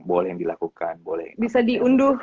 boleh yang dilakukan boleh yang nggak bisa diunduh